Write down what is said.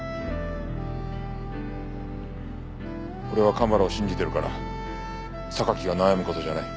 俺は蒲原を信じてるから榊が悩む事じゃない。